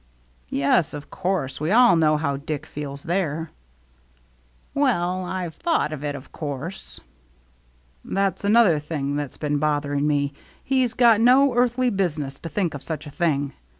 "Yes. Of course we all know how Dick feels there." 194 THE MERRT ANNE "Well, I've thought of it, of course." " That's another thing that's been bothering me. He's got no earthly business to think of such a thing.